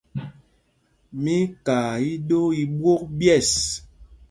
Mí í kaa iɗoo i ɓwôk ɓyɛ̂ɛs.